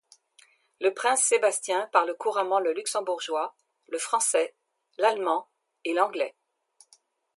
Le prince Sébastien parle couramment le luxembourgeois, le français, l'allemand et l'anglais.